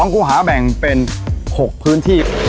ครูหาแบ่งเป็น๖พื้นที่